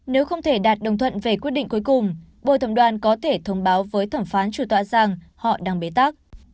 nếu không thể đạt đồng thuận về quyết định cuối cùng bồi thẩm đoàn có thể thông báo với thẩm phán chủ tọa rằng họ đang bế tác